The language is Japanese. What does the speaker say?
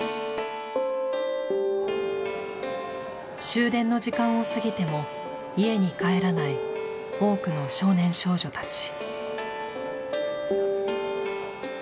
終電の時間を過ぎても家に帰らない多くの少年少女たち。